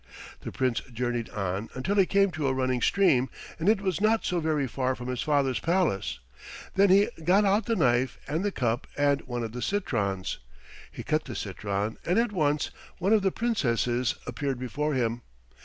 The Prince journeyed on until he came to a running stream, and it was not so very far from his father's palace. Then he got out the knife and the cup and one of the citrons. He cut the citron, and at once one of the Princesses appeared before him.